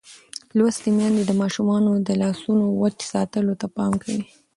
لوستې میندې د ماشومانو د لاسونو وچ ساتلو ته پام کوي.